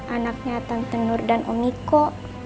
anaknya tante nur dan om iko